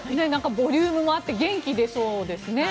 ボリュームもあって元気が出そうですね。